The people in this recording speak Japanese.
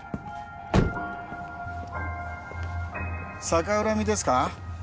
逆恨みですか